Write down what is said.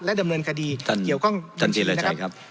และดำเนินคดีเกี่ยวกับเงินสินนะครับ